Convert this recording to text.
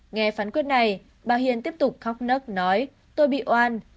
nghe phán quyết này bà hiền tiếp tục khóc nấc nói tôi bị oan